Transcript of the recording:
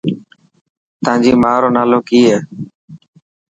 تانجي ماءُ رو نالو ڪي هي.